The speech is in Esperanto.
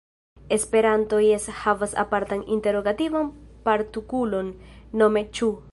Esperanto jes havas apartan interogativan partukulon, nome "ĉu".